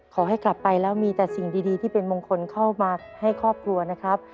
ขอให้กลับไปแล้วมีแต่สิ่งดีที่เป็นมงคลเข้ามาให้ครอบครัวนะครับ